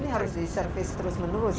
ini harus di servis terus menerus ya